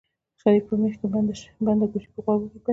شريف په مېخ کې بنده ګوشي په غوږو کړه.